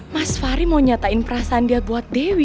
mas fahri mau nyatain perasaan dia buat dewi